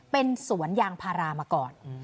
เป็นสวนยางพารามาก่อน